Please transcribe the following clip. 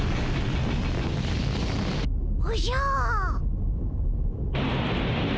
おじゃ。